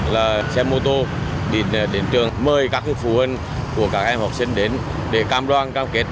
là xe mô tô đến trường mời các phụ huynh của các em học sinh đến để cam đoan cam kết